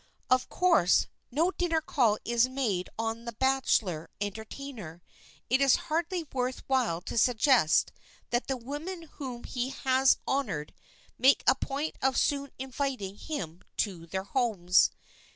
Of course, no dinner call is made on the bachelor entertainer. It is hardly worth while to suggest that the women whom he has honored make a point of soon inviting him to their homes.